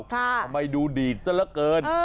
ทำไมดูดีมาก